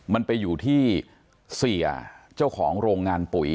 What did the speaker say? มันไปอยู่ที่เสียเจ้าของโรงงานปุ๋ย